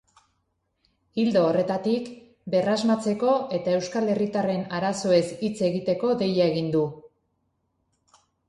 Ildo horretatik, berrasmatzeko eta euskal herritarren arazoez hitz egiteko deia egin du.